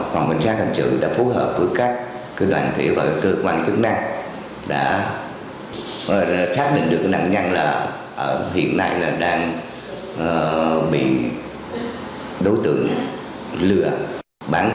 phòng cảnh sát hành trực đã phối hợp với các đoàn thủy và cơ quan chức năng đã thác định được nạn nhân là hiện nay đang bị đối tượng lừa bán